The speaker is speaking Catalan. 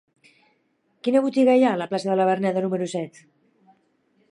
Quina botiga hi ha a la plaça de la Verneda número set?